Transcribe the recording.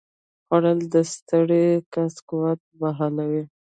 خوړل د ستړي کس قوت بحالوي